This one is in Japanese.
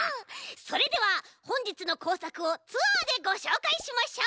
それではほんじつのこうさくをツアーでごしょうかいしましょう！